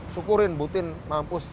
syukurin butin mampus